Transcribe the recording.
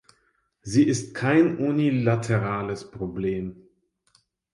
Sie ist kein unilaterales Problem.